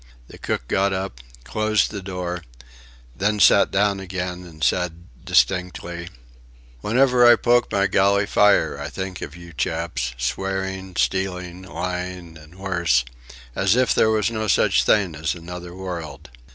The cook got up, closed the door, then sat down again and said distinctly: "Whenever I poke my galley fire I think of you chaps swearing, stealing, lying, and worse as if there was no such thing as another world....